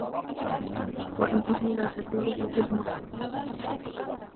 وَإِنْ أُهْمِلَ كَثِيرُهُ اضْمَحَلَّ